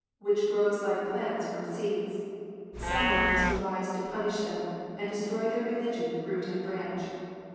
Which grows like plants from seeds ; Some one must arise to punish them, And destroy their religion root and branch.